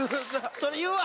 それ言うわ！